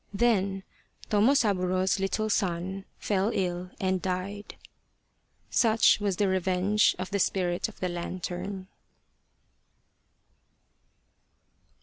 Then Tomosaburo's little son fell ill and died. Such was the revenge of the Spirit of the Lantern.